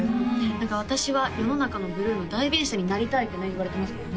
「私は世の中のブルーの代弁者になりたい」ってね言われてますからね